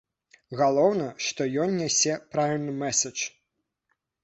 Галоўнае, што ён нясе правільны мэсэдж.